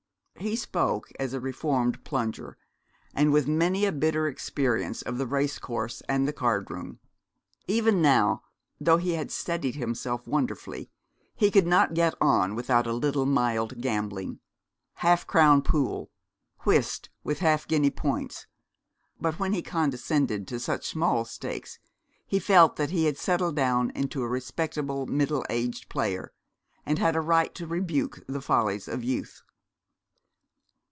He spoke as a reformed plunger, and with many a bitter experience of the race course and the card room. Even now, though he had steadied himself wonderfully, he could not get on without a little mild gambling half crown pool, whist with half guinea points but when he condescended to such small stakes he felt that he had settled down into a respectable middle aged player, and had a right to rebuke the follies of youth.